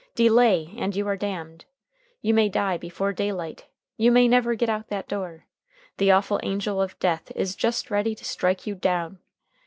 Delay and you are damned! You may die before daylight! You may never get out that door! The awful angel of death is just ready to strike you down!"